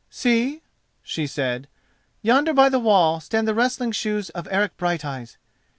"See," she said, "yonder by the wall stand the wrestling shoes of Eric Brighteyes.